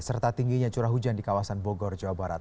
serta tingginya curah hujan di kawasan bogor jawa barat